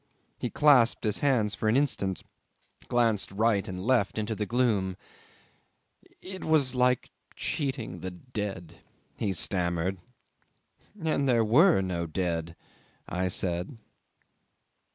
... He clasped his hands for an instant, glanced right and left into the gloom: "It was like cheating the dead," he stammered. '"And there were no dead," I said.